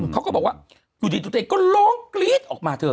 เขาก็บอกว่าอยู่ดีตัวเองก็ร้องกรี๊ดออกมาเธอ